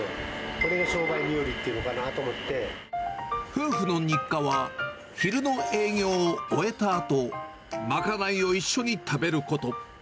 これが商売冥利っていうのかなと夫婦の日課は、昼の営業を終えたあと、賄いを一緒に食べること。